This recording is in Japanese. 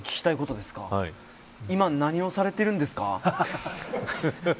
今、何をされてるんですか。